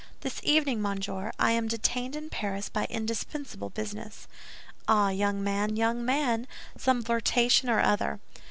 "This evening, monsieur, I am detained in Paris by indispensable business." "Ah, young man, young man, some flirtation or other.